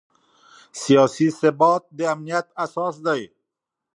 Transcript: سیاسي ثبات د امنیت اساس دی